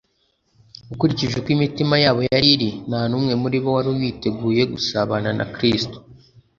Ukurikije uko imitima yabo yari iri, nta n'umwe muri bo wari witeguye gusabana na Kristo.